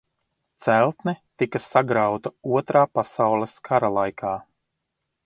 Celtne tika sagrauta Otrā pasaules kara laikā.